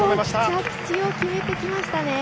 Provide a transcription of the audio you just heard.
着地を決めてきましたね。